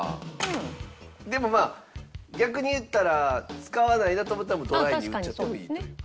でもまあ逆に言ったら使わないなと思ったらもうドライに売っちゃってもいい。